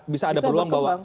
bisa ada peluang bahwa